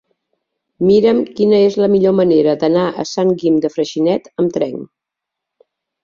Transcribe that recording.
Mira'm quina és la millor manera d'anar a Sant Guim de Freixenet amb tren.